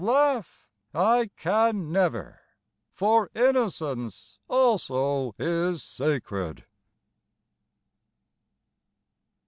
Laugh I can never, for innocence also is sacred.